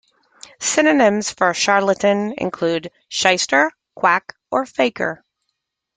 Synonyms for "charlatan" include "shyster", "quack", or "faker".